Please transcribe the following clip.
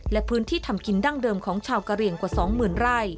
และพื้นที่ทำกินดั้งเดิมของชาวกะเรียงกว่าสองหมื่นไร่